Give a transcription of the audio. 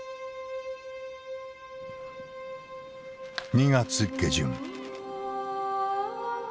２月下旬。